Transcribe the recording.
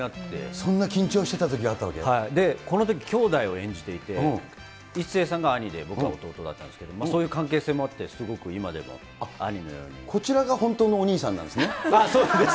そんな緊張してたとき、このとき兄弟を演じていて、一生さんが兄で、僕が弟だったんですけど、そういう関係性もあっこちらが本当のお兄さんなんあ、そうです。